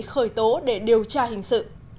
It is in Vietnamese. hời tố để điều tra hình sự